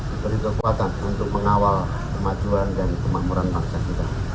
diberi kekuatan untuk mengawal kemajuan dan kemakmuran bangsa kita